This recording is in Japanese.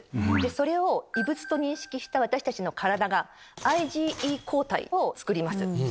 それを異物と認識した私たちの体がＩｇＥ抗体を作ります。